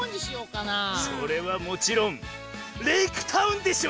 それはもちろんレイクタウンでしょ！